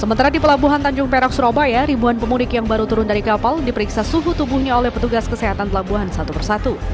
sementara di pelabuhan tanjung perak surabaya ribuan pemudik yang baru turun dari kapal diperiksa suhu tubuhnya oleh petugas kesehatan pelabuhan satu persatu